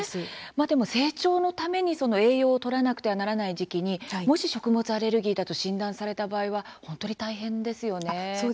でも、成長のために栄養をとらなくてはならない時期に、もし食物アレルギーだと診断された場合は本当に大変ですよね。